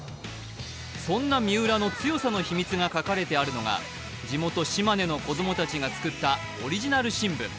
そんな三浦の強さの秘密が書かれてあるのが、地元・島根の子供たちが作ったオリジナル新聞。